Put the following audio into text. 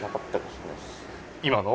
今の？